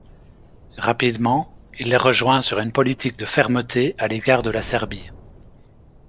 Rapidement, il les rejoint sur une politique de fermeté à l'égard de la Serbie.